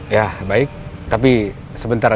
ya baik tapi sebentar